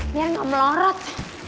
biar gak melorot